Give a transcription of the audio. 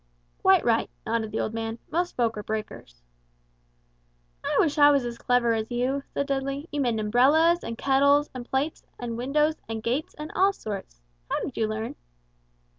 "Quite right," nodded the old man; "most folk are breakers." "I wish I was as clever as you," said Dudley; "you mend umbrellas, and kettles, and plates, and windows, and gates, and all sorts. How did you learn?"